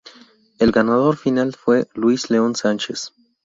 El ganador final fue Luis León Sánchez.